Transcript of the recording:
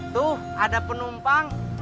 tuh ada penumpang